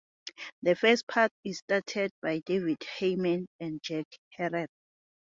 The first part is starred by David Hayman and Jack Herer.